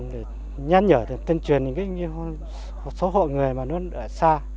để nhăn nhở tên truyền những số hộ người mà nó ở xa